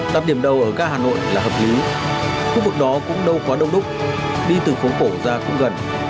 đặt điểm đầu ở ga hà nội là hợp lý khu vực đó cũng đâu quá đông đúc đi từ phố cổ ra cũng gần